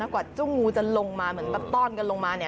แล้วกว่าเจ้างูจะลงมาเหมือนต้อนกันลงมาเนี่ย